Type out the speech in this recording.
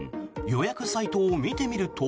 予約サイトを見てみると。